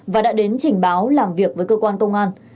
và đã đến trình báo làm việc với cơ quan công an